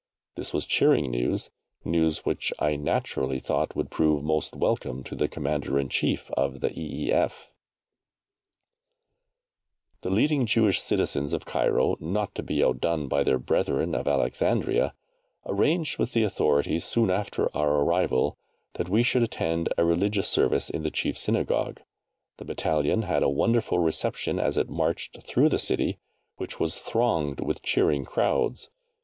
This was cheering news news which I naturally thought would prove most welcome to the Commander in Chief of the E.E.F. The leading Jewish citizens of Cairo, not to be outdone by their brethren of Alexandria, arranged with the authorities, soon after our arrival, that we should attend a religious service in the Chief Synagogue; the battalion had a wonderful reception as it marched through the City, which was thronged with cheering crowds.